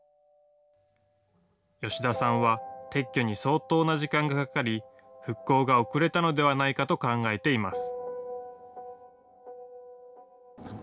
吉田さんは、撤去に相当な時間がかかり、復興が遅れたのではないかと考えています。